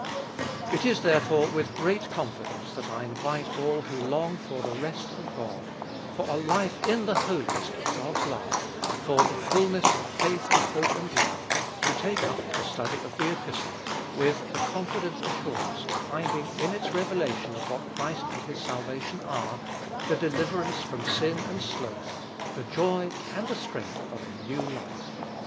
1 It is, therefore, with great confidence that I invite all who long for the rest of God, for a life in the holiest of God's love, for the fulness of faith and hope and love, to take up the study of the Epistle, with the confident assurance of finding in its revelation of what Christ and His salvation are, the deliverance from sin and sloth, the joy and the strength of a new life.